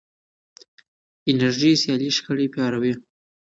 انرژي سیالۍ شخړې پاروي.